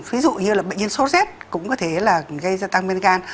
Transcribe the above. ví dụ như là bệnh nhân sốt rét cũng có thể là gây ra tăng men gan